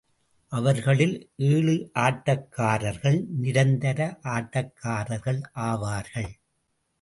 அவர்களில் ஏழு ஆட்டக்காரர்கள் நிரந்தர ஆட்டக்காரர்கள் ஆவார்கள்.